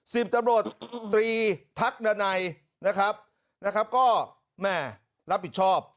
สิบตำรวจตรีทักดันัยนะครับนะครับก็แม่รับผิดชอบ